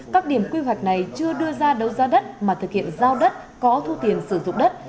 các điểm quy hoạch này chưa đưa ra đấu giá đất mà thực hiện giao đất có thu tiền sử dụng đất